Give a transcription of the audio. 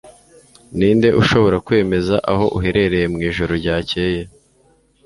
Ninde ushobora kwemeza aho uherereye mwijoro ryakeye